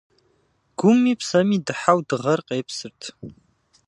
Гуми псэми дыхьэу дыгъэр къепсырт.